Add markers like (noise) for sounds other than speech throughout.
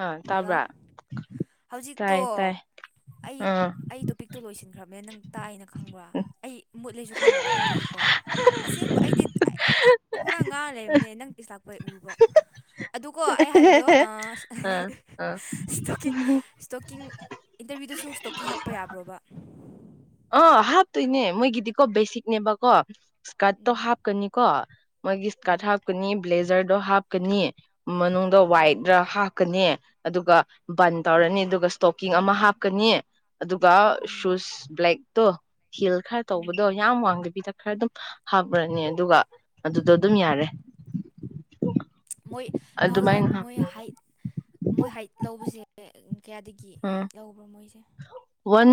ꯑꯥ hello ꯇꯥꯕ꯭ꯔꯥ ꯍꯧꯖꯤꯛꯇꯣ ꯇꯥꯏ ꯇꯥꯏ ꯑꯩ ꯑꯥ ꯑꯩ ꯇꯣꯄꯤꯛꯇꯣ ꯂꯣꯏꯁꯤꯟꯈ꯭ꯔꯕꯅꯦ ꯅꯪ ꯇꯥꯛꯑꯅ ꯈꯪꯕ꯭ꯔꯥ ꯑꯩ ꯃꯨꯠꯂꯦꯁꯨ ꯈꯪꯗꯕ ꯑꯗꯨꯏꯒꯤꯀꯣ ꯑꯁꯦꯡꯕ ꯑꯩꯗꯤ ꯄꯨꯔꯥ ꯉꯥꯡ ꯂꯩꯦꯕꯅꯦ ꯅꯪ ꯄꯤꯁꯥꯛ ꯍꯣꯏ ꯎꯕ ꯑꯗꯨꯣ ꯑꯩ ꯍꯥꯏꯕꯗꯣ ꯑꯥ ꯑꯥ ꯁ꯭ꯇꯣꯛꯀꯤꯡ ꯏꯟꯇꯔꯚꯤꯌꯨꯗꯨꯁꯨ ꯁ꯭ꯇꯣꯛꯀꯤꯡ ꯍꯥꯞꯄ ꯌꯥꯕ꯭ꯔꯣꯕ ꯑ ꯍꯥꯞꯇꯣꯏꯅꯦ ꯃꯣꯏꯒꯤꯗꯤꯀꯣ ꯕꯦꯁꯤꯛꯅꯦꯕꯀꯣ ꯏꯁꯀꯥꯔꯠꯇꯣ ꯎꯝ ꯍꯥꯞꯀꯅꯤꯀꯣ ꯃꯣꯏꯒꯤ ꯏꯁꯀꯥꯔꯠ ꯎꯝ ꯍꯥꯞꯀꯅꯤ ꯕ꯭ꯂꯦꯖꯔꯗꯣ ꯍꯥꯞꯀꯅꯤ ꯃꯅꯨꯡꯗ ꯎꯝ ꯋꯥꯏꯗ ꯍꯥ ꯍꯥꯞꯀꯅꯤ ꯑꯗꯨꯒ ꯕꯟ ꯇꯧꯔꯅꯤ ꯑꯗꯨꯒ ꯏꯁꯇꯣꯀꯤꯡ ꯑꯃ ꯍꯥꯞꯀꯅꯤ ꯑꯗꯨꯒ ꯎꯝ ꯁꯨꯁ ꯕ꯭ꯂꯦꯛꯇꯣ ꯍꯤꯜ ꯈꯔ ꯎꯝ ꯇꯧꯕꯗꯣ ꯌꯥꯝ ꯋꯥꯡꯗꯕꯤꯗ ꯈꯔ ꯑꯗꯨꯝ ꯍꯥꯞꯄꯨꯔꯅꯤ ꯑꯗꯨꯒ ꯑꯗꯨꯗꯣ ꯑꯗꯨꯝ ꯌꯥꯔꯦ ꯃꯣꯏ ꯃꯍꯥꯎꯁꯥ ꯑꯗꯨꯃꯥꯏꯅ ꯃꯣꯏ ꯍ ꯃꯣꯏ ꯍꯥꯏꯠ ꯂꯧꯕꯁꯦ ꯀꯌꯥꯗꯒꯤ ꯂꯧꯕ꯭ꯔꯣ ꯃꯣꯏꯁꯦ ꯑꯣꯟ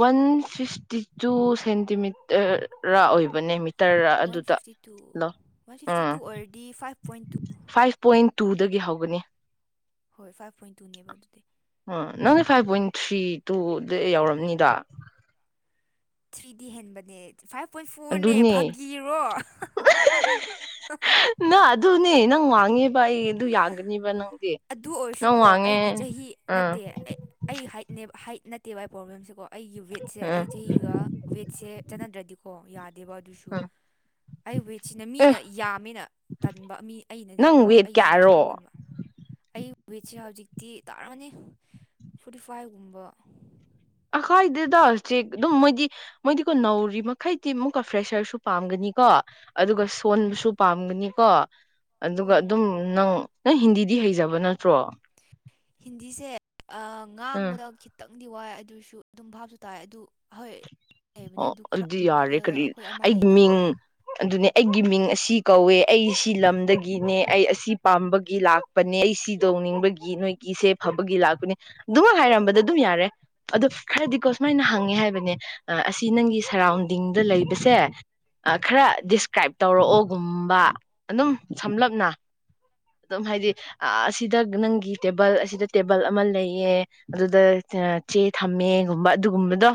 ꯋꯥꯟ ꯐꯤꯐꯇꯤ ꯇꯨ ꯁꯦꯟꯇꯤꯃꯤꯇꯔ ꯑꯣꯏꯕꯅꯦ ꯇꯔꯥ ꯋꯥꯟ ꯑꯗꯨꯗ ꯐꯤꯐꯇꯤ ꯇꯨ ꯂꫭ ꯋꯥꯟ ꯐꯤꯐꯇꯤ ꯑꯥ ꯇꯨ ꯑꯣꯏꯔꯗꯤ five point two five point ꯇꯨꯗꯒꯤ ꯍꯧꯒꯅꯤ ꯍꯣꯏ ꯐꯥꯏꯚ ꯄꯣꯏꯟ ꯇꯨꯅꯦꯕ ꯑꯗꯨꯗꯤ ꯑꯣ ꯅꯪꯗꯤ ꯐꯥꯏꯚ ꯄꯣꯏꯟ ꯊ꯭ꯔꯤ ꯇꯨꯗ ꯌꯥꯎꯔꯝꯅꯤꯗ ꯊ꯭ꯔꯤꯗꯤ ꯍꯦꯟꯕꯅꯦ ꯐꯥꯏꯚ ꯄꯣꯏꯟ ꯐꯣꯔꯅꯦ ꯑꯗꯨꯅꯦ ꯐꯥꯒꯤꯔꯣ ꯅ ꯑꯗꯨꯅꯦ ꯅꯪ ꯋꯥꯡꯉꯦ ꯕ ꯑꯩ ꯑꯗꯨ ꯌꯥꯒꯅꯤꯕ ꯅꯪꯗꯤ ꯑꯗꯨ ꯅꯪ ꯑꯣꯏꯔꯁꯨꯀꯣ ꯋꯥꯡꯉꯦ ꯑꯩꯒꯤ ꯆꯍꯤ ꯑꯥ ꯅꯠꯇꯦ ꯑꯩ ꯍꯥꯏꯠꯅꯦ ꯍꯥꯏꯠ ꯅꯠꯇꯦꯕ ꯑꯩ ꯄꯔꯣꯕꯂꯦꯝꯁꯦꯀꯣ ꯑꯩꯒꯤ ꯋꯦꯠꯁꯦ ꯑꯥ ꯑꯩ ꯆꯍꯤꯒ ꯋꯦꯠꯁꯦ ꯆꯠꯅꯗ꯭ꯔꯗꯤꯀꯣ ꯌꯥꯗꯦꯕ ꯑꯗꯨꯁꯨ ꯑꯥ ꯑꯩ ꯋꯦꯠꯁꯤꯅ ꯑꯦ ꯃꯤꯅ ꯌꯥꯝꯃꯦꯅ ꯇꯥꯟꯕ ꯃꯤ ꯅꯪ ꯑꯩꯅꯗꯤꯀꯣ ꯋꯦꯠ ꯑꯩꯁꯤꯅ ꯀꯌꯥꯔꯣ ꯁꯣꯟꯃꯟꯕ ꯑꯩ ꯋꯦꯠꯁꯦ ꯍꯧꯖꯤꯛꯇꯤ ꯇꯥꯔꯝꯃꯅꯤ ꯐꯣꯔꯇꯤ ꯐꯥꯏꯚꯒꯨꯝꯕ ꯑꯈꯥꯏꯗꯗꯜꯆꯦ ꯑꯗꯨꯝ ꯃꫭꯏꯗꯤ ꯃꯣꯏꯗꯤꯀꯣ ꯅꯧꯔꯤ ꯃꯈꯩꯗꯤ ꯑꯃꯨꯛꯀ ꯐ꯭ꯔꯦꯁꯔꯁꯨ ꯄꯥꯝꯒꯅꯤꯀꯣ ꯑꯗꯨꯒ ꯎꯝ ꯁꯣꯟꯕꯁꯨ ꯄꯥꯝꯒꯅꯤꯀꯣ ꯑꯗꯨꯒ ꯑꯗꯨꯝ ꯎꯝ ꯅꯪ ꯅꯪ ꯍꯤꯟꯗꯤꯗꯤ ꯍꯩꯖꯕ ꯅꯠꯇ꯭ꯔꯣ ꯍꯤꯟꯗꯤꯁꯦ ꯑꯥ ꯎꯝ ꯉꯥꯡꯕꯗ ꯈꯤ ꯈꯤꯇꯪꯗꯤ ꯋꯥꯏ ꯑꯗꯨꯁꯨ ꯑꯗꯨꯝ ꯚꯥꯞꯁꯨ ꯇꯥꯏ ꯑꯗꯨ ꯍꯣꯏ ꯂꯩꯕꯅꯦ ꯑꯣ ꯑꯗꯨ ꯈꯔ ꯑꯗꯨꯗꯤ ꯌꯥꯔꯦ ꯑꯥ, ꯀꯔꯤ ꯑꯩꯈꯣꯏ ꯑꯃ ꯑꯩꯒꯤ ꯂꯩꯅ ꯃꯤꯡ ꯑꯗꯨꯅꯦ ꯑꯩꯒꯤ ꯃꯤꯡ ꯑꯁꯤ ꯀꯧꯋꯦ ꯑꯩ ꯁꯤ ꯂꯝꯗꯒꯤꯅꯦ ꯑꯩ ꯑꯁꯤ ꯄꯥꯝꯕꯒꯤ ꯂꯥꯛ ꯂꯄꯅꯦ ꯑꯩ ꯁꯤ ꯇꯧꯅꯤꯡꯕꯒꯤ ꯅꯣꯏꯒꯤꯁꯦ ꯐꯕꯒꯤ ꯂꯥꯛꯄꯅꯤ ꯑꯗꯨꯃꯛ ꯍꯥꯏꯔꯝꯕꯗ ꯑꯗꯨꯝ ꯌꯥꯔꯦ ꯑꯗꯣ ꯈꯔꯗꯤꯀꯣ ꯁꯨꯃꯥꯏꯅ ꯍꯪꯉꯦ ꯍꯥꯏꯕꯅꯦ ꯑꯁꯤ ꯅꯪꯒꯤ ꯁꯔꯥꯎꯟꯗꯤꯡꯗ ꯂꯩꯕꯁꯦ ꯈꯔ ꯎꯝ ꯗꯤꯁꯀ꯭ꯔꯥꯏꯞ ꯇꯧꯔꯛꯑꯣꯒꯨꯝꯕ ꯑꯗꯨꯝ ꯁꯝꯂꯞꯅ ꯑꯗꯨꯝ ꯍꯥꯏꯗꯤ ꯑꯁꯤꯗ ꯅꯪꯒꯤ ꯇꯦꯕꯜ ꯑꯁꯤꯗ ꯇꯦꯕꯜ ꯑꯃ ꯂꯩꯌꯦ ꯑꯗꯨꯗ ꯆꯦ ꯊꯝꯃꯦꯒꯨꯝꯕ ꯑꯗꯨꯒꯨꯝꯕꯗꯣ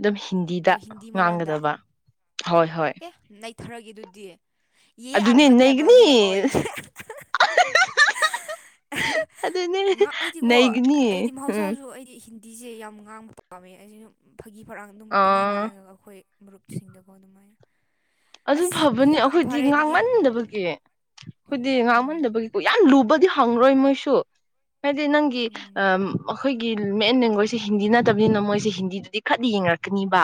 ꯑꯗꯨꯝ ꯍꯤꯟꯗꯤꯗ ꯑꯣ ꯍꯤꯟꯗꯤ ꯉꯥꯡꯒꯗꯕ ꯍꯣꯏ ꯍꯣꯏ ꯅꯩꯊꯥꯔꯒꯦ ꯑꯗꯨꯗꯤ ꯌꯦ ꯑꯗꯨꯅꯦ ꯑꯥꯞꯀꯥ ꯇꯦꯕꯜ ꯅꯩꯒꯅꯤ ꯍꯦ ꯑꯣ (unintelligible) ꯑꯗꯨꯅꯦ ꯉꯥꯛꯏ ꯑꯩꯗꯤꯀꫭ ꯅꯩꯒꯅꯤ ꯑꯩꯗꯤ ꯎꯝ ꯃꯍꯧꯁꯥꯁꯨ ꯑꯩꯗꯤ ꯍꯤꯟ ꯍꯤꯟꯇꯤꯁꯦ ꯌꯥꯝ ꯉꯥꯡꯕ ꯄꯥꯝꯃꯦ ꯑꯁꯤꯁꯨ ꯐꯥꯒꯤ ꯐꯔꯥꯡ ꯑꯗꯨꯝ ꯄꯪꯉꯥꯡ ꯑꯥ ꯉꯥꯡꯉꯦꯕ ꯑꯩꯈꯣꯏ ꯃꯔꯨꯞꯁꯤꯡꯗꯀꯣ ꯑꯗꯨꯃꯥꯏꯅ ꯑꯗꯨ ꯑꯁ ꯐꯕꯅꯤ ꯌꯥꯝ ꯑꯩꯈꯣꯏꯗꯤ ꯐꯔꯦ ꯑꯗꯨꯗꯤ ꯉꯥꯡꯃꯟꯗꯕꯒꯤ ꯑꯩꯈꯣꯏꯗꯤ ꯎꯝ ꯉꯥꯡꯃꯟꯗꯕꯒꯤ ꯀꯨꯏ ꯌꯥꯝ ꯂꯨꯕꯗꯤ ꯍꯪꯔꯣꯏ ꯃꯣꯏꯁꯨ ꯍꯥꯏꯗꯤ ꯅꯪꯒꯤ ꯎꯝ ꯑ ꯑꯩꯈꯣꯏꯒꯤ ꯃꯦꯟ ꯂꯦꯡꯒ꯭ꯋꯦꯁꯁꯦ ꯍꯤꯟꯗꯤ ꯅꯠꯇꯕꯅꯤꯅ ꯃꯣꯏꯁꯦ ꯍꯤꯟꯗꯤꯗꯨꯗꯤ ꯈꯔꯗꯤ ꯌꯦꯡꯔꯛꯀꯅꯤꯕ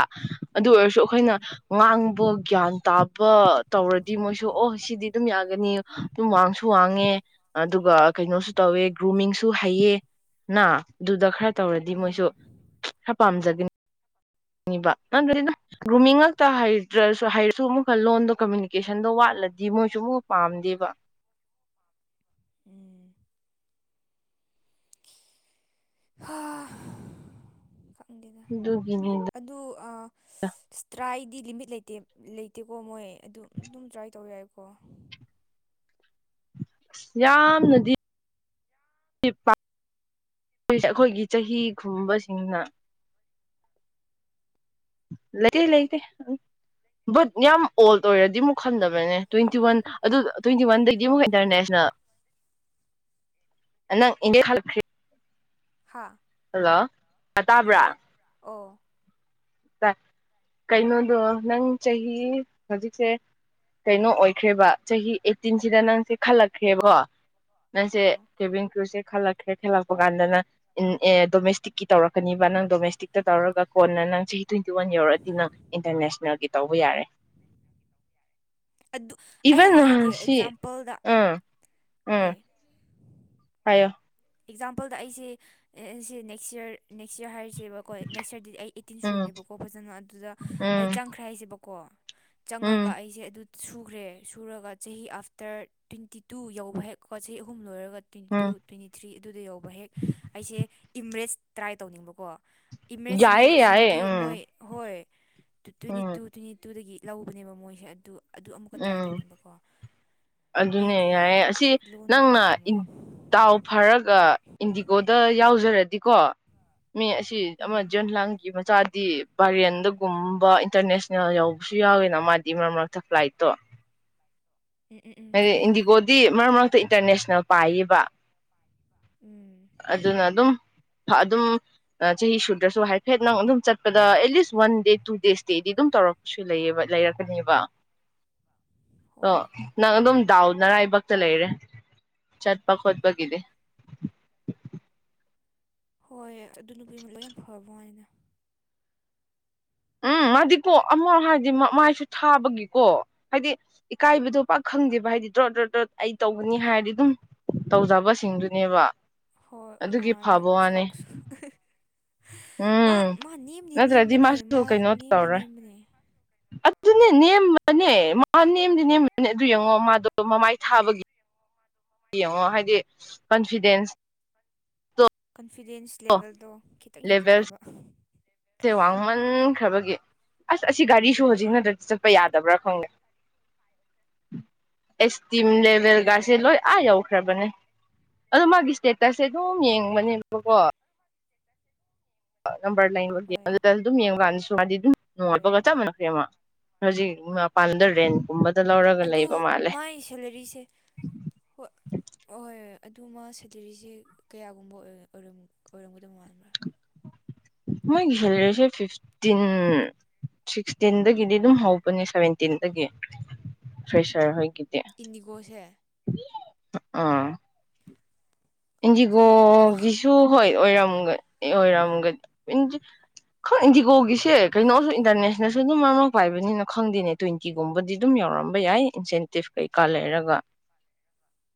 ꯑꯗꯨ ꯑꯣꯏꯔꯁꯨ ꯑꯩꯈꯣꯏꯅ ꯎꯝ ꯉꯥꯡꯕ ꯒ꯭ꯌꯥꯟ ꯇꯥꯕ ꯇꯧꯔꯗꯤ ꯃꯣꯏꯁꯨ ꯑꯣ ꯁꯤꯗꯤ ꯑꯗꯨꯝ ꯌꯥ ꯍꯥꯏꯒꯅꯤ ꯑꯗꯨꯝ ꯋꯥꯡꯁꯨ ꯋꯥꯡꯉꯦ ꯑꯗꯨꯒ ꯀꯩꯅꯣꯁꯨ ꯇꯧꯋꯦ ꯒ꯭ꯔꯨꯃꯤꯡꯁꯨ ꯍꯩꯌꯦ ꯅ ꯑꯗꯨꯗ ꯈꯔ ꯇꯧꯔꯗꯤ ꯃꯣꯏꯁꯨ ꯎꯝ ꯈꯔ ꯄꯥꯝꯖ ꯅꯤꯕ (unintelligible) ꯒ꯭ꯔꯨꯃꯤꯡ ꯉꯛꯇ ꯍꯩꯗ꯭ꯔꯁꯨ ꯍꯩꯔꯁꯨ ꯑꯃꯨꯛꯀ ꯂꯣꯟꯗꯣ ꯀꯃꯨꯅꯤꯀꯦꯁꯟꯗꯣ ꯋꯥꯠꯂꯗꯤ ꯃꯣꯏꯁꯨ ꯑꯃꯨꯛꯀ ꯄꯥꯝꯗꯦꯕ ꯎꯝ ꯍꯥꯥ ꯈꯪꯗꯦꯗ ꯑꯗꯨꯒꯤꯅꯤꯗ ꯑꯗꯨ ꯑꯥ ꯇ꯭ꯔꯥꯏꯗꯤ ꯂꯤꯃꯤꯠ ꯂꯩꯇꯦ ꯂꯩꯇꯦꯀꯣ ꯃꯣꯏ ꯑꯗꯨ ꯑꯗꯨꯝ ꯇ꯭ꯔꯥꯏ ꯇꯧ ꯌꯥꯏꯀꯣ ꯌꯥꯝꯅꯗꯤ (unintelligible) ꯑꯩꯈꯣꯏꯒꯤ ꯆꯍꯤ ꯈꯨꯕꯁꯤꯡꯅ ꯂꯩꯇꯦ ꯂꯩꯇꯦ ꯕꯠ ꯌꯥꯝ ꯑꯣꯜ ꯑꯣꯏꯔꯗꯤ ꯃꯨꯛ ꯈꯝꯗꯕꯅꯦ ꯇ꯭ꯋꯦꯟꯇꯤ ꯋꯥꯟ ꯑꯗꯨ ꯇ꯭ꯋꯦꯟꯇꯤ ꯋꯥꯟꯗꯒꯤ ꯑꯃꯨꯛ ꯏꯟꯇꯔꯅꯦꯁꯅꯦꯜ ꯅꯪ ꯏꯤꯟꯗꯤꯌꯥꯟ (unintelligible) ꯍꯥ ꯍꯜꯂꯣ ꯍꯜꯂꯣ ꯇꯥꯕ꯭ꯔꯥ ꯑꯣ ꯀꯩꯅꯣꯗꯣ ꯅꯪ ꯆꯍꯤ ꯍꯧꯖꯤꯛꯁꯦ ꯀꯩꯅꯣ ꯑꯣꯏꯈ꯭ꯔꯦꯕ ꯆꯍꯤ ꯑꯩꯠꯇꯤꯟꯁꯤꯗ ꯅꯪꯁꯦ ꯈꯜꯂꯛꯈ꯭ꯔꯦꯕꯀꯣ ꯅꯪꯁꯦ ꯑꯥ ꯇꯦꯚꯦꯟ ꯀ꯭ꯔꯨꯁꯦ ꯈꯜꯂꯛ꯭ꯔꯦ ꯊꯦꯜꯂꯛ ꯀꯥꯟꯗꯅ ꯑꯦ ꯗꯣꯃꯦꯁꯇꯤꯛꯀꯤ ꯇꯧꯔꯛꯀꯅꯤꯕ ꯅꯪ ꯗꯣꯃꯦꯁꯇꯤꯛꯇ ꯇꯧꯔꯒ ꯀꯣꯟꯅ ꯅꯪ ꯆꯍꯤ ꯇ꯭ꯋꯦꯟꯇꯤ ꯋꯥꯟ ꯌꯧꯔꯛꯑꯗꯤꯅ ꯏꯟꯇꯔꯅꯦꯁꯅꯦꯜꯒꯤ ꯇꯧꯕ ꯌꯥꯔꯦ ꯑꯗꯨ ꯑꯩ ꯏꯕꯟ ꯍꯥꯏꯒꯦ ꯁꯤ ꯑꯦꯛꯖꯥꯝꯄꯜꯗ ꯑꯥ ꯍꯣꯏ ꯍꯥꯏꯌꯣ ꯑꯦꯛꯖꯥꯝꯄꯜꯗ ꯑꯩꯁꯦ ꯁꯤ ꯅꯦꯛꯁ ꯌꯔ ꯅꯦꯛꯁ ꯌꯔ ꯍꯥꯏꯔꯤꯁꯦꯕꯀꯣ ꯅꯦꯛꯁ ꯌꯔꯗꯗꯤ ꯑꯩ ꯇꯤꯟ ꯎꯝ ꯁꯨꯔꯅꯦꯕꯀꯣ ꯐꯖꯅ ꯑꯗꯨꯗ ꯎꯝ ꯑꯩ ꯆꯪꯈ꯭ꯔꯦ ꯍꯥꯏꯁꯦꯕꯀꯣ ꯎꯝ ꯆꯪꯉꯒ ꯑꯩꯁꯦ ꯑꯗꯨ ꯁꯨꯈ꯭ꯔꯦ ꯁꯨꯔꯒ ꯆꯍꯤ ꯑꯥꯐꯇꯔ ꯇ꯭ꯋꯦꯟꯇꯤ ꯇꯨ ꯌꯧꯕ ꯍꯦꯛ ꯆꯍꯤ ꯑꯍꯨꯝ ꯂꯣꯏꯔꯒ twenty um two twenty three ꯑꯗꯨꯗ ꯌꯧꯕ ꯍꯦꯛ ꯑꯩꯁꯦ ꯏꯝꯔꯦꯁ ꯇ꯭ꯔꯥꯏ ꯇꯧꯅꯤꯡꯕꯀꯣ ꯏꯃꯦꯃꯦꯖꯁꯤꯡ ꯌꯥꯏꯌꯦ ꯌꯥꯏꯌꯦ ꯁꯤꯡꯗꯤ ꯎꯝ ꯃꯣꯏ ꯍꯣꯏ two twenty two um twenty ꯇꯨꯗꯒꯤ ꯂꯧꯕꯅꯦꯕ ꯃꯣꯏꯁꯦ ꯑꯗꯨ ꯑꯗꯨ ꯑꯃꯨꯛꯀ ꯇ꯭ꯔꯥꯏ ꯎꯝ ꯇꯧꯅꯤꯡꯕꯀꯣ ꯑꯗꯨꯅꯦ ꯃꯣꯏꯒꯤ ꯌꯥꯏꯌꯦ ꯑꯁꯤ ꯂꯣꯟꯒꯨꯝꯕ ꯅꯪꯅ ꯇꯥꯃꯣ ꯗꯥꯎ ꯐꯔꯒ ꯏꯟꯗꯤꯒꯣꯗ ꯌꯥꯎꯖꯔꯗꯤꯀꯣ ꯃꯤ ꯑꯁꯤ ꯁꯤ ꯑꯃ ꯎꯝ ꯖꯟ ꯂꯥꯡꯒꯤ ꯃꯆꯥꯗꯤ ꯄꯔꯦꯟꯗꯒꯨꯝꯕ ꯏꯟꯇꯔꯅꯦꯁꯅꯦꯜ ꯌꯧꯕꯁꯨ ꯌꯥꯎꯋꯦꯅ ꯃꯥꯗꯤ ꯃꯔꯛ ꯃꯔꯛꯇ ꯐ꯭ꯂꯥꯏꯠ ꯠꯇꯣ ꯎꯝ ꯎꯝ ꯎꯝ ꯍꯥꯏꯗꯤ ꯈꯪꯉꯦ ꯈꯪꯉꯦ ꯏꯟꯗꯤꯒꯣꯗꯤ ꯃꯔꯛ ꯃꯔꯛꯇ ꯏꯟꯇꯔꯅꯦꯁꯅꯦꯜ ꯄꯥꯏꯌꯦꯕ ꯎꯝ ꯑꯗꯨꯅ ꯑꯗꯨꯝ ꯑꯗꯨꯝ ꯆꯍꯤ ꯁꯨꯗ꯭ꯔꯁꯨ ꯍꯥꯏꯐꯦꯠ ꯅꯪ ꯑꯗꯨꯝ ꯆꯠꯄꯗ at least one day two days ꯏꯁꯇꯦꯗꯤ ꯑꯗꯨꯝ ꯇꯧꯔꯛꯄꯁꯨ ꯂꯩꯕ ꯂꯩꯔꯛꯀꯅꯦꯕ (unintelligible) ꯑ ꯍꯣꯏ ꯅꯪ ꯑꯗꯨꯝ ꯗꯥꯎ ꯅꯔꯥꯏꯕꯛꯇ ꯂꯩꯔꯦ ꯆꯠꯄ ꯈꯣꯠꯄꯒꯤꯗꯤ ꯍꯣꯏ ꯑꯗꯨ ꯅꯨꯄꯤꯃꯂ ꯌꯥꯝ ꯐꯕꯣ ꯍꯥꯏꯅ ꯎꯝ ꯃꯥꯗꯤꯀꯣ ꯑꯃꯛ ꯍꯥꯏꯔꯗꯤ ꯃꯥꯏꯁꯨ ꯊꯥꯕꯒꯤꯀꯣ ꯍꯥꯏꯗꯤ ꯏꯀꯥꯏꯕꯗꯣ ꯄꯥꯛ ꯈꯪꯗꯦꯕ ꯍꯥꯏꯗꯤ ꯗ꯭ꯔꯣ ꯗ꯭ꯔꯣ ꯗ꯭ꯔ ꯑꯩ ꯇꯧꯕꯅꯤ ꯍꯥꯏꯔꯗꯤ ꯑꯗꯨꯝ ꯇꯧꯖꯕꯁꯤꯡꯗꯨꯅꯦꯕ ꯍꯣꯏ ꯑꯗꯨꯒꯤ ꯃꯥꯉꯂꯦ ꯐꯕ ꯋꯥꯅꯦ ꯁꯛꯁ ꯃꯥ ꯎꯝ ꯃꯥ ꯅꯦꯝꯗꯤ ꯅꯠꯇ꯭ꯔꯗꯤ ꯅꯦꯝꯕꯅꯦ ꯃꯥꯁꯨ ꯃꯥ ꯀꯩꯅꯣ ꯅꯦꯝꯗꯤ ꯇꯧꯔꯣꯏ ꯅꯦꯝꯕꯅꯦ ꯑꯗꯨꯅꯦ ꯅꯦꯝꯕꯅꯦ ꯃꯥ ꯅꯦꯝꯗꯤ ꯅꯦꯝꯕꯅꯦ ꯑꯗꯨ ꯌꯦꯡꯉꯣ ꯃꯥꯗꯣ ꯃꯃꯥꯏ ꯊꯥꯕꯒꯤ ꯌꯦꯡꯉꯣ ꯍꯥꯏꯗꯤ ꯀꯟꯐꯤꯗꯦꯟꯁ ꯀꯟꯐꯤꯗꯦꯟꯁ ꯂꯦꯚꯦꯜꯗꯣ ꯈꯤꯇꯪ ꯍꯦꯟꯖꯤꯟꯅꯕ ꯁꯦ ꯋꯥꯡꯃꯟꯈ꯭ꯔꯕꯒꯤ ꯑꯁ ꯑꯁꯤ ꯒꯥꯔꯤꯁꯣ ꯅꯇ꯭ꯔꯗꯤ ꯆꯠꯄ ꯌꯥꯗꯕ꯭ꯔꯥ ꯈꯪꯗꯦ (unintelligible) ꯑꯦꯁꯇꯤꯝ ꯂꯦꯚꯦꯜꯒꯥꯁꯦ ꯂꯣꯏ ꯑꯥ ꯌꯧꯈ꯭ꯔꯕꯅꯦ ꯑꯗꯣ ꯃꯥꯒꯤ ꯏꯁꯇꯦꯇꯁꯁꯦ ꯑꯗꯨꯝ ꯌꯦꯡꯕꯅꯦꯕꯀꯣ ꯅꯝꯕꯔ ꯂꯩꯕ ꯍꯣꯏ ꯑꯗꯨꯗ ꯑꯗꯨꯝ ꯌꯦꯡꯕ ꯀꯥꯟꯗꯁꯨ ꯃꯥꯗꯤ ꯑꯗꯨꯝ ꯍꯣꯏ ꯅꯣꯡꯉꯠꯄꯒ ꯆꯞꯝꯅꯣ ꯃ ꯍꯧꯖꯤꯛ ꯃ ꯄꯥꯟꯗ꯭ꯔꯦ ꯀꯨꯝꯕꯗ ꯂꯧꯔꯒ ꯑꯗꯨ ꯂꯩꯕ ꯃꯥꯜꯂꯦ ꯃꯥꯏ ꯁꯦꯂꯔꯤꯁꯦ ꯍꯣꯏ ꯑꯍꯣꯏ ꯑꯗꯨ ꯃ ꯁꯦꯀꯤꯔꯤꯁꯦ ꯀꯌꯥꯒꯨꯝꯕ ꯑꯣꯏꯔꯝꯒꯗꯕ ꯃꯥꯟꯕ꯭ꯔꯥ (inaudible) ꯃꯣꯏ ꯁꯤꯁ ꯐꯤꯐꯇꯤꯟ ꯁꯤꯛꯁꯇꯤꯟꯗꯒꯤꯗꯤ ꯑꯗꯨꯝ ꯍꯧꯕꯅꯦ ꯁꯦꯚꯦꯟꯇꯤꯟꯗꯒꯤ ꯐ꯭ꯔꯦꯁꯔ ꯍꯣꯏꯒꯤꯗꯤ ꯏꯟꯗꯤꯒꯣꯁꯦ ꯑꯥ ꯑꯗꯨꯗꯤ ꯍꯦꯟꯃꯟꯗ꯭ꯔꯣ ꯏꯟꯗꯤꯒꯣꯒꯤꯁꯨ ꯍꯣꯏ ꯑꯣꯏꯔꯝꯒꯅꯤ ꯑꯣꯏꯔꯝꯒꯅꯤ ꯈꯪ ꯏꯁꯤꯀꯣꯒꯤꯁ ꯀ ꯀꯩꯅꯣꯁꯨ ꯏꯟꯇꯔꯅꯦꯁꯅꯦꯜ ꯑꯗꯨꯝ ꯃꯔꯥꯡ ꯄꯥꯏꯕꯅꯤꯅ ꯈꯪꯗꯦꯅꯦ ꯇ꯭ꯋꯦꯟꯇꯤꯒꯨꯝꯕꯗꯤ ꯑꯗꯨꯝ ꯌꯥꯎꯔꯝꯕ ꯌꯥꯏ ꯏꯟꯁꯦꯟꯇꯤꯞ ꯀꯩꯀꯥ ꯂꯩꯔꯒ (inaudible)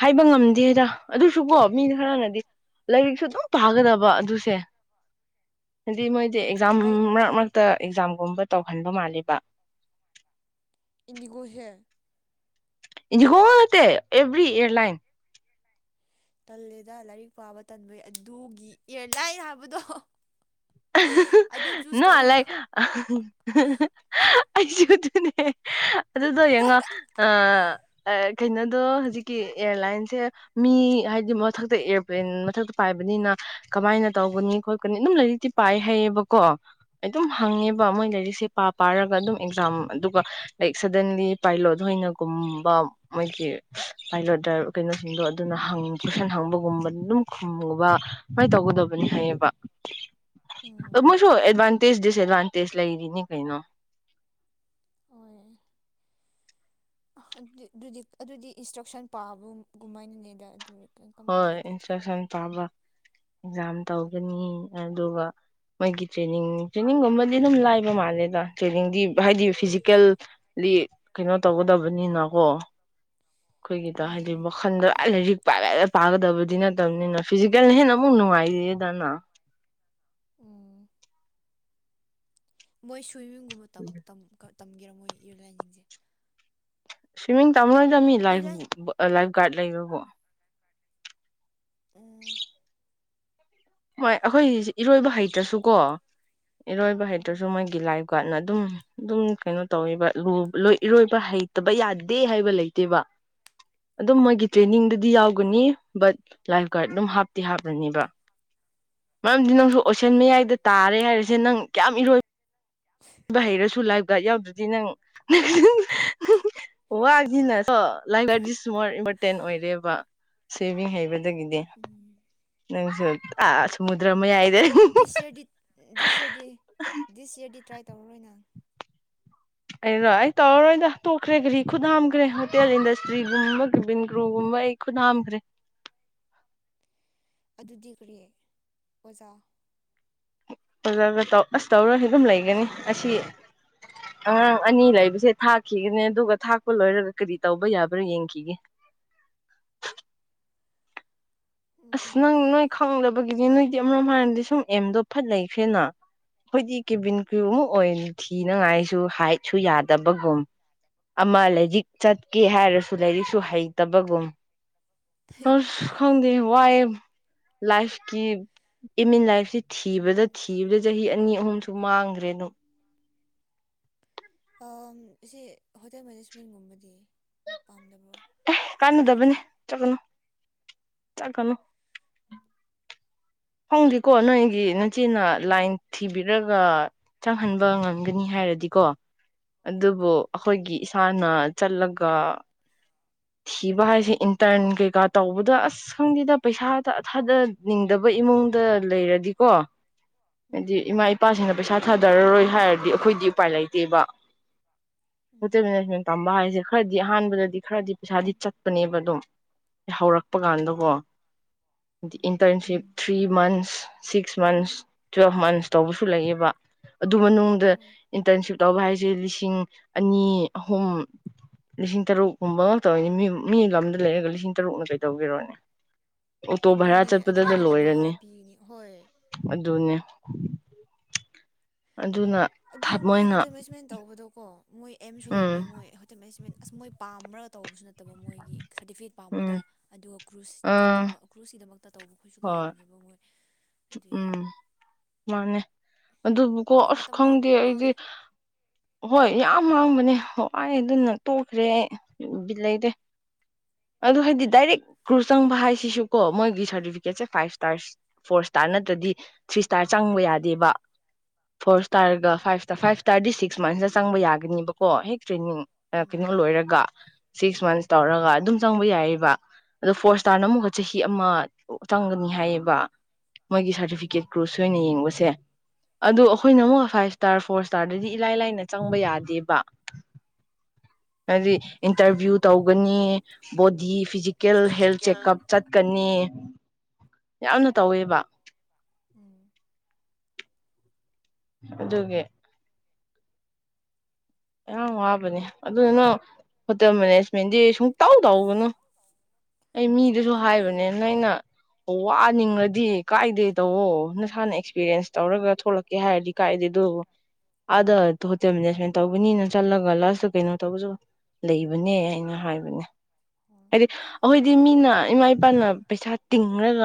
ꯍꯥꯏꯕ ꯉꯝ ꯑꯗꯨꯗ ꯑꯗꯨꯁꯨꯀꯣ ꯃꯤꯅ ꯈꯔꯅꯗꯤ ꯂꯥꯏꯔꯤꯛꯁꯨ ꯑꯗꯨꯝ ꯄꯥꯒꯗꯕ ꯑꯗꯨꯁꯦ ꯍꯥꯏꯗꯤ ꯃꯣꯏꯗꯤ ꯑꯦꯛꯖꯥꯝ ꯂꯥꯏꯛ ꯃꯔꯛ ꯃꯔꯛꯇ ꯑꯦꯛꯖꯥꯝꯒꯨꯝꯕ ꯇꯧꯍꯟꯕ ꯃꯥꯜꯜꯂꯤꯦꯕ ꯏꯅꯤꯒꯍꯦ ꯏ ꯀꯣ ꯑꯦꯕ꯭ꯔꯤ ꯑꯦꯔꯂꯥꯏꯟ ꯇꯜꯂꯦꯗ ꯂꯥꯏꯔꯤꯛ ꯄꯥꯕ ꯇꯟꯕꯩ ꯑꯗꯨꯒꯤ ꯏꯌꯥꯔ ꯂꯥꯏꯟ ꯍꯥꯏꯕꯗꯣ ꯑꯗꯨ ꯆꯨꯁ ꯅꯣꯠ ꯇꯧꯔꯒ ꯂꯥꯏꯛ ꯑꯩꯁꯨ ꯑꯗꯨꯅꯦ ꯑꯗꯨꯗꯣ ꯌꯦꯡꯉꯣ ꯑ ꯀꯩꯅꯣꯗꯣ ꯍꯧꯖꯤꯛꯀꯤ ꯑꯦꯌꯥꯔꯂꯥꯏꯟꯁꯦ ꯃꯤ ꯍꯥꯏꯗꯤ ꯃꯊꯛꯇ ꯑꯦꯔꯣꯄ꯭ꯂꯦꯟ ꯃꯊꯛꯇ ꯄꯥꯏꯕꯅꯤꯅ ꯀꯃꯥꯏꯅ ꯇꯧꯒꯅꯤ ꯈꯣꯠꯀꯅꯤ ꯑꯗꯨꯝ ꯂꯩꯔꯤ ꯄꯥꯏ ꯍꯥꯏꯩꯌꯦꯕꯀꯣ ꯑꯩ ꯑꯗꯨꯝ ꯎꯝ ꯍꯪꯉꯦꯕ ꯃꯣꯏ ꯂꯩꯔꯤꯁꯦ ꯄꯥ ꯄꯥꯔꯒ ꯑꯗꯨꯝ ꯑꯦꯛꯖꯥꯝ ꯑꯗꯨꯒ ꯂꯥꯏꯛ ꯁꯗꯟꯂꯤ ꯄꯥꯏꯂꯣꯗꯅꯒꯨꯝꯕ ꯃꯣꯏꯒꯤ ꯄꯥꯏꯂꯣ ꯀꯩꯅꯣꯁꯤꯡꯗꯣ ꯑꯗꯨꯅ ꯇꯨꯏꯁꯟ ꯍꯪꯕꯒꯨꯝꯕ ꯑꯗꯨꯝ ꯈꯨꯝꯕ ꯀꯃꯥꯏ ꯇꯧꯒꯗꯕꯅꯤ ꯍꯥꯏꯌꯦꯕ (inaudible) ꯎꯝ ꯃꯣꯏꯁꯨ ꯑꯦꯗꯚꯥꯟꯇꯦꯖ ꯗꯤꯁꯑꯦꯠꯚꯥꯟꯇꯦꯖ ꯂꯩꯔꯤꯅꯤ ꯀꯩꯅꯣ ꯍꯣꯏ ꯑ ꯑꯗꯨꯗꯤ ꯑꯗꯨꯗꯤ ꯏꯟꯁꯇ꯭ꯔꯛꯁꯟ ꯄꯥꯕ ꯀꯃꯥꯏꯅꯅꯦꯗ ꯑꯗꯨ ꯀꯔꯝ ꯍꯣꯏ ꯀꯥꯏꯗ ꯑꯗꯨꯗꯤ ꯏꯟꯁꯇ꯭ꯔꯛꯁꯟ ꯄꯥꯕ ꯑꯦꯛꯖꯥꯝ ꯇꯧꯒꯅꯤ ꯑꯗꯨꯒ ꯃꯣꯏꯒꯤ ꯇ꯭ꯔꯦꯅꯤꯡ ꯇ꯭ꯔꯦꯅꯤꯡꯒꯨꯝꯕꯗꯤ ꯑꯗꯨꯝ ꯂꯥꯏꯕ ꯃꯥꯜꯂꯦꯗ ꯇ꯭ꯔꯦꯅꯤꯡꯗꯤ ꯍꯥꯏꯗꯤ ꯐꯤꯖꯤꯀꯦꯜ ꯂꯤ ꯀꯩꯅꯣ ꯇꯧꯒꯗꯕꯅꯤꯅꯀꯣ ꯑꯩꯈꯣꯏꯒꯤꯗ ꯍꯥꯏꯗꯤ ꯑꯣ ꯃꯈꯜꯗ ꯂꯥꯏ ꯂꯥꯏꯔꯤꯛ ꯄꯥꯏ ꯂꯥꯏ ꯄꯥꯒꯗꯕꯗꯤ ꯅꯠꯇ ꯠꯇꯕꯅꯤꯅ ꯐꯤꯖꯤꯀꯦꯜ ꯍꯦꯟꯅ ꯑꯃꯨꯛ ꯅꯨꯡꯉꯥꯏꯔꯤꯑꯗꯅ ꯎꯝ ꯃꯣꯏ ꯁ꯭ꯋꯤꯃꯤꯡꯒꯨꯝꯕ ꯇꯝꯒꯦꯔꯥ ꯃꯣꯏ ꯏꯌꯥꯔꯂꯥꯏꯟꯁꯤꯡꯁꯦ ꯁ꯭ꯋꯤꯝꯃꯤꯡ ꯇꯝꯅꯣꯏꯗ ꯃꯤ ꯂꯥꯏꯐ ꯏꯌꯔꯂꯥꯏꯟ ꯂꯥꯏꯐ ꯒꯥꯔꯗ ꯂꯩꯈ꯭ꯔꯔꯕꯣ ꯎꯝ ꯍꯣꯏ ꯑꯩꯈꯣꯏ ꯏꯔꯣꯏꯕ ꯍꯩꯇ꯭ꯔꯁꯨ ꯀꯣ ꯏꯔꯣꯏꯕ ꯍꯩꯇ꯭ꯔꯁꯨ ꯎꯝ ꯃꯣꯏ ꯒꯤ ꯂꯥꯏꯐ ꯒꯥꯔꯗꯠꯅ ꯑꯗꯨꯝ ꯑꯗꯨꯝ ꯀꯩꯅꯣ ꯇꯧꯋꯕ ꯏꯔꯣꯏꯕ ꯍꯩꯇꯕ ꯌꯥꯗꯦ ꯍꯥꯏꯕ ꯂꯩꯇꯦꯕ ꯑꯗꯨꯝ ꯃꯣꯏꯒꯤ ꯇ꯭ꯔꯦꯅꯤꯡꯗꯨꯗꯤ ꯎꯝ ꯌꯥꯎꯒꯅꯤ ꯕꯠ ꯂꯥꯏꯐ ꯒꯥꯔꯗ ꯑꯗꯨꯝ ꯍꯥꯞꯇꯤ ꯍꯥꯞꯂꯅꯦꯕ ꯃꯔꯝꯗꯤ ꯅꯪꯁꯨ ꯑꯣꯁꯦꯟ ꯍꯣꯏ ꯃꯌꯥꯏꯗ ꯇꯥꯔꯦ ꯍꯥꯏꯔꯁꯦ ꯅꯪ ꯀꯌꯥꯝ ꯏꯔꯣꯏ ꯕ ꯍꯩꯔꯁꯨ ꯂꯥꯏꯕ ꯒꯥꯔꯗ ꯌꯥꯎꯗ꯭ꯔꯗꯤ ꯅꯪ ꯋꯥꯁꯤꯅ ꯂꯥꯏꯛ ꯂꯥꯏꯗꯤ ꯁꯨꯃ ꯏꯝꯄꯣꯔꯇꯦꯟ ꯑꯣꯏꯔꯦꯕ ꯁꯦꯚ ꯍꯩꯕꯗꯒꯤꯗꯤ ꯎꯝ ꯅꯪꯁꯨ ꯑ ꯁꯃꯨꯗ꯭ꯔ ꯑꯃ ꯌꯥꯏ ꯗꯤꯁ ꯏꯔꯗꯤ ꯗꯤꯁ ꯏꯔꯗꯤ ꯗꯤꯁ ꯏꯌꯥꯔꯗꯤ ꯇ꯭ꯔꯥꯏ ꯇꯧꯔꯔꯣꯏ ꯅꯪ ꯑꯩꯔꯣ ꯑꯩ ꯇꯧꯔꯔꯣꯏꯗ ꯇꯣꯛꯈ꯭ꯔꯦ ꯈ꯭ꯔꯤ ꯈꯨꯠ ꯍꯥꯝꯈ꯭ꯔꯦ ꯍꯣꯇꯦꯜ ꯏꯟꯗꯁꯇ꯭ꯔꯤꯒꯨꯝꯕ ꯚꯟ ꯒ꯭ꯔꯨꯒꯨꯝꯕ ꯑꯩ ꯈꯨꯅꯥꯝꯈꯦ ꯑꯗꯨꯗꯤ ꯀꯔꯤ ꯑꯣꯖꯥ ꯑꯣꯖꯥꯗ ꯑꯁ ꯇꯧꯔꯁꯨ ꯑꯗꯨꯝ ꯂꯩꯒꯅꯤ ꯑꯁꯤ ꯑꯉꯥꯡ ꯑꯅꯤ ꯂꯩꯕꯁꯦ ꯊꯥꯛꯈꯤꯒꯅꯦ ꯑꯗꯨꯒ ꯊꯥꯛꯄ ꯂꯣꯏꯔꯒ ꯀꯔꯤ ꯇꯧꯕ ꯌꯥꯕ꯭ꯔꯥ ꯌꯦꯡꯈꯤꯒꯦ ꯑꯁ ꯅꯪ ꯅꯣꯏ ꯈꯪꯂꯕꯒꯤꯗꯤ ꯅꯣꯏꯗꯤ ꯑꯃꯔꯣꯝ ꯍꯥꯏꯔꯝꯗꯤ ꯁꯨꯝ ꯑꯦꯝꯗꯣ ꯐꯥꯠ ꯂꯩꯈ꯭ꯔꯦꯅ ꯑꯈꫭꯏꯗꯤ ꯀꯦꯕꯤꯟ ꯀꯔꯤꯌꯨ ꯎꯝ ꯑꯃꯨꯛ ꯑꯣꯏꯅ ꯊꯤꯅꯉꯥꯏꯁꯨ ꯍꯥꯏꯠꯁꯨ ꯌꯥꯗꯕꯒꯨꯝ ꯑꯃ ꯂꯥꯏꯔꯤꯛ ꯆꯠꯀꯦ ꯍꯥꯏꯔꯁꯨ ꯂꯥꯏꯔꯤꯛꯁꯨ ꯍꯩꯇꯕꯒꯨꯝ ꯑꯁ ꯈꯪꯗ‌ꯦ ꯋꯥꯏ ꯂꯥꯏꯐꯀꯤ ꯏꯃꯤꯟ ꯂꯥꯏꯐꯁꯤ ꯊꯤꯕꯗ ꯊꯤꯕꯗ ꯆꯍꯤ ꯑꯅꯤ ꯑꯍꯨꯝꯁꯨ ꯃꯥꯡꯈ꯭ꯔꯦ ꯑꯗꯨꯝ ꯑꯥꯝ ꯑꯁꯤ ꯍꯣꯇꯦꯜ ꯃꯦꯅꯦꯖꯃꯦꯟꯒꯨꯝꯕꯗꯤ ꯄꯥꯝꯗꯕ꯭ꯔꯣ ꯑꯦ ꯀꯥꯟꯅꯗꯕꯅꯦ ꯍꯣꯇꯦꯜꯒꯤꯗꯤ ꯆꯠꯀꯅꯨ ꯆꯠꯀꯅꯨ ꯈꯪꯗ‌ꯦꯀꯣ ꯅꯣꯏꯒꯤ ꯅꯆ‌ꯦꯅ ꯂꯥꯏꯟ ꯊꯤꯕꯤꯔꯒ ꯆꯪꯍꯟꯕ ꯉꯝꯒꯅꯤ ꯍꯥꯏꯔꯗꯤꯀꯣ ꯑꯗꯨꯕꯨ ꯑꯩꯈꯣꯏꯒꯤ ꯏꯁꯥꯅ ꯆꯠꯂꯒ ꯊꯤꯕ ꯍꯥꯏꯁꯦ ꯏꯟꯇꯔꯟ ꯀꯩꯀꯥ ꯇꯧꯕꯗ ꯑꯁ ꯑꯁ ꯈꯪꯗꯦꯗ ꯄꯩꯁꯥꯗ ꯑꯊꯥꯗꯅꯤꯡꯗꯕ ꯏꯃꯨꯡꯗ ꯂꯩꯔꯗꯤꯀꯣ ꯎꯝ ꯍꯥꯏꯗꯤ ꯏꯃꯥ ꯏꯄꯥꯁꯤꯡꯅ ꯄꯩꯁꯥ ꯊꯥꯗꯔꯔꯣꯏ ꯍꯥꯏꯔꯗꯤ ꯑꯩꯈꯣꯏꯗꯤ ꯎꯄꯥꯏ ꯂꯩꯇꯦꯕ ꯍꯣꯇꯦꯜ ꯎꯝ ꯃꯦꯅꯦꯖꯃꯦꯟ ꯇꯝꯕ ꯍꯥꯏꯁꯦ ꯈꯔꯗꯤ ꯑꯍꯥꯟꯕꯗꯗꯤ ꯈꯔꯗꯤ ꯄꯩꯁꯥꯗꯤ ꯆꯠꯄꯅꯦꯕ ꯑꯗꯨꯝ ꯍꯧꯔꯛꯄ ꯀꯥꯟꯗꯀꯣ ꯍꯥꯏꯗꯤ um internship three months six months twelve months ꯇꯧꯕꯁꯨ ꯂꯩꯌꯦꯕ ꯑꯗꯨ ꯃꯅꯨꯡꯗ ꯑꯗꯨ ꯑꯗꯨ ꯍꯣꯏ (unintelligible) ꯏꯟꯇꯔꯟꯁꯤꯞ ꯇꯧꯕ ꯍꯥꯏꯁꯦ ꯂꯤꯁꯤꯡ ꯑꯅꯤ ꯑꯍꯨꯝ ꯂꯤꯁꯤꯡ ꯇꯔꯨꯛꯀꯨꯝꯕ ꯇꯧꯅꯤ ꯃꯤ ꯃꯤ ꯂꯝꯗ ꯂꯩꯔꯒ ꯂꯤꯁꯤꯡ ꯇꯔꯨꯛꯅ ꯀꯩ ꯇꯧꯕꯤꯔꯣꯅꯤ ꯑꯣꯛꯇꯣ ꯚꯔꯥ ꯑꯗꯨꯅꯦ ꯑꯗꯨꯗ ꯆꯠꯄꯗꯗ ꯑꯃꯨꯛꯀ ꯂꯣꯏꯔꯅꯤ ꯚꯔꯥ ꯄꯤꯒꯅꯤ ꯍꯣꯏ ꯑꯗꯨꯅꯦ ꯑꯗꯨꯅ ꯑꯗꯨ ꯃꯣꯏ ꯃꯣꯏꯅ ꯍꯣꯇꯦꯜ ꯃꯦꯅꯦꯖꯃꯦꯟ ꯇꯧꯕꯗꯣꯀꯣ ꯃꯣꯏ ꯑꯦꯝꯁꯨ ꯎꯝ ꯂꯩꯕꯅꯤ ꯃꯣꯏ ꯍꯣꯇꯦꯜ ꯃꯦꯅꯦꯖꯃꯦꯟ ꯑꯁ ꯃꯣꯏ ꯄꯥꯝꯃ꯭ꯔꯒ ꯇꯧꯕꯁꯨ ꯅꯠꯇꯕ ꯃꯣꯏꯒꯤ ꯁꯔꯇꯤꯐꯤꯀꯦꯠ ꯎꯝ ꯄꯥꯝꯕꯗꯣ ꯑꯗꯨꯒ ꯀ꯭ꯔꯨꯁ ꯑꯥ ꯆꯠꯅꯤꯡꯕ ꯀ꯭ꯔꯨꯁꯀꯤꯗꯃꯛꯇ ꯇꯧꯕ ꯑꯩꯈꯣꯏꯁꯨ ꯍꯣꯏ ꯂꯩꯏꯕꯅꯦꯕ ꯃꯣꯏ ꯑꯗꯨꯏ ꯎꯝ ꯃꯥꯅꯦ ꯑꯗꯨꯕꯨꯀꯣ ꯑꯗꯨ ꯑꯁ ꯃꯇꯝ ꯃꯥꯡ ꯈꯪꯗꯦ ꯌꯥꯝ ꯑꯩꯗꯤ ꯃꯥꯡꯉꯦ ꯍꯣꯏ ꯌꯥꯝ ꯃꯥꯡꯕꯅꯦ ꯍ‌ꯦ ꯋꯥꯏ ꯑꯗꯨꯅ ꯇꯣꯛꯈ꯭ꯔꯦ ꯑꯩ ꯎꯝ ꯕꯤꯠ ꯂꯩꯇ‌ꯦ ꯑꯗꯨ ꯍꯥꯏꯗꯤ ꯗꯥꯏꯔꯦꯛ ꯀ꯭ꯔꯨꯁ ꯆꯪꯕ ꯍꯥꯏꯁꯤꯁꯨ ꯀꯣ ꯃꯣꯏꯒꯤ ꯁꯥꯔꯇꯤꯐꯤꯀꯦꯠꯁꯦ ꯐꯥꯏꯚ ꯏꯁꯇꯥꯔꯁ ꯇꯥꯟꯅꯗꯔꯗꯤ ꯊ꯭ꯔꯤ ꯏꯁꯇꯥꯔ ꯆꯪꯕ ꯌꯥꯗꯦꯕ ꯐꯣꯔ ꯎꯝ ꯏꯁꯇꯥꯔꯒ five star (unintelligible) five thirty six ꯃꯟꯁꯇ ꯆꯪꯕ ꯌꯥꯒꯅꯤꯕꯀꯣ ꯍꯦꯛ ꯇ꯭ꯔꯦꯅꯤꯡ ꯎꯝ ꯀꯩꯅꯣ ꯂꯣꯏꯔꯒ ꯁꯤꯛꯁ ꯃꯟꯁ ꯇꯧꯔꯒ ꯑꯗꯨꯝ ꯆꯪꯕ ꯌꯥꯏꯌꯦꯕ ꯑꯗꯣ ꯐꯣꯔ ꯏꯁꯇꯥꯔꯅ ꯑꯃꯨꯛꯀ ꯆꯍꯤ ꯑꯃ ꯆꯪꯒꯅꯤ ꯍꯥꯏꯌꯦꯕ ꯃꯣꯏꯒꯤ ꯎꯝ ꯁꯥꯔꯇꯤꯐꯤꯀꯦꯠ ꯀ꯭ꯔꯣꯁ ꯑꯣꯏꯅ ꯌꯦꯡꯕꯁꯦ ꯑꯗꯣ ꯑꯩꯈꯣꯏꯅ ꯑꯃꯨꯛ ꯐꯥꯏꯚ ꯏꯁꯇꯥꯔ ꯐꯣꯔ ꯏꯁꯇꯥꯔꯗꯗꯤ ꯏꯂꯥꯏ ꯂꯥꯏꯅ ꯆꯪꯕ ꯌꯥꯗꯦꯕ (inaudible) ꯍꯥꯏꯗꯤ ꯏꯟꯇꯔꯚꯤꯌꯨ ꯇꯧꯒꯅꯤ body physical health physical checkup ꯆꯠꯀꯅꯤ ꯌꯥꯝꯅ ꯇꯧꯋꯦꯕ ꯎꯝ ꯑꯗꯨꯒꯤ ꯌꯥꯝ ꯋꯥꯕꯅꯦ ꯑꯗꯨꯗꯨꯅ ꯍꯣꯇꯦꯜ ꯃꯦꯅꯦꯖꯃꯦꯟꯗꯤ ꯁꯨꯝ ꯇꯧ ꯇꯧꯒꯅꯨ ꯑꯩ ꯃꯤꯗꯨꯁꯨ ꯇꯧꯅꯤꯡꯗꯦ ꯍꯥꯏꯕꯅꯦ ꯅꫭꯏꯅ ꯋꯥꯅꯤꯡꯉꯗꯤ ꯀꯥꯏꯗꯦ ꯇꯧꯋꯣ ꯅꯁꯥꯅ ꯑꯦꯛꯁꯄꯤꯔꯌꯦꯟꯁ ꯇꯧꯔꯒ ꯊꯣꯛꯂꯛꯀꯦ ꯍꯥꯏꯔꯗꯤ ꯀꯥꯏꯗꯦ ꯑꯗꯨꯕꯨ ꯑꯥꯗ ꯍꯣꯇꯦꯜ ꯃꯦꯅꯦꯁꯃꯦꯟ ꯇꯧꯕꯅꯤꯅ ꯆꯠꯂꯒ ꯂꯥꯁꯇ ꯀꯩꯅꯣ ꯇꯧꯕꯁꯨ ꯂꯩꯕꯅꯦ ꯑꯩꯅ ꯍꯥꯏꯕꯅꯦ ꯍꯣꯏ ꯍꯥꯏꯗꯤ ꯑꯩꯈꯣꯏꯗꯤ ꯃꯤꯅ ꯏꯃꯥ ꯏꯄꯥꯅ ꯄꯩꯁꯥ ꯇꯤꯡꯉꯒ